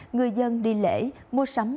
người dân đi lễ mua sắm